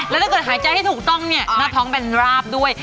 แล้วถ้าเกิดหายใจให้ถูกต้องเนี่ยหน้าท้องแบนราบด้วย